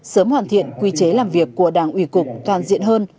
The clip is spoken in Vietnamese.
sớm hoàn thiện quy chế làm việc của đảng ủy cục toàn diện hơn